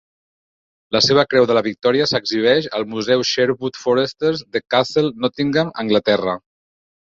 La seva Creu de la Victòria s'exhibeix al Museu Sherwood Foresters, The Castle, Nottingham (Anglaterra).